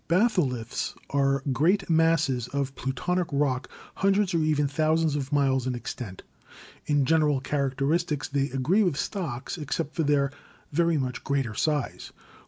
Batholiths are great masses of plutonic rock hundreds or even thousands of miles in extent; in general charac teristics they agree with stocks, except for their very much greater size.